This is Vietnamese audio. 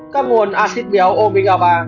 các nguồn axit béo omega ba